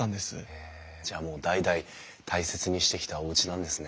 へえじゃあもう代々大切にしてきたおうちなんですね。